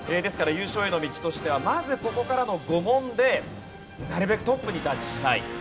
ですから優勝への道としてはまずここからの５問でなるべくトップに立ちたい。